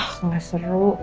ah gak seru